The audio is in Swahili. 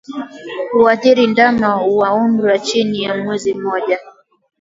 Huathiri ndama wa umri wa chini ya mwezi mmoja